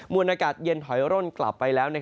วนอากาศเย็นถอยร่นกลับไปแล้ว